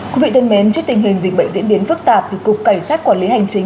quý vị thân mến trước tình hình dịch bệnh diễn biến phức tạp thì cục cảnh sát quản lý hành chính